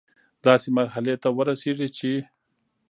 داسي مرحلې ته ورسيږي چي